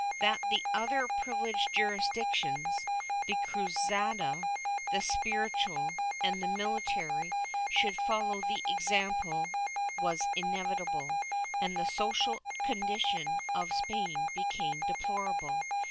That the other privileged juris dictions—the Cruzada, the spiritual, and the military— should follow the example was inevitable, and the social condition of Spain became deplorable.